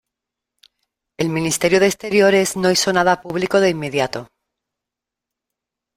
El Ministerio de Exteriores no hizo nada público de inmediato.